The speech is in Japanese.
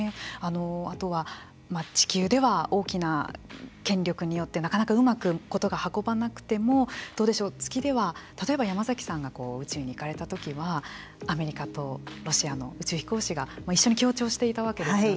あとは地球では大きな権力によってなかなかうまく事が運ばなくてもどうでしょう、月では例えば山崎さんが宇宙に行かれたときはアメリカとロシアの宇宙飛行士が一緒に強調していたわけですよね。